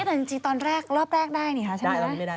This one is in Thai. แต่จริงตอนแรกรอบแรกได้นี่ค่ะใช่ไหม